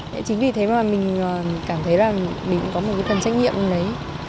nhưng mà mình cảm thấy là mình cũng có một cái phần trách nhiệm như đấy